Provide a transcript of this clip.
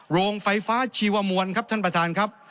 โรงไฟฟ้าชีวมวลครับท่านประธานครับ